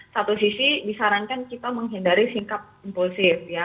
satu sisi disarankan kita menghindari singkat impulsif ya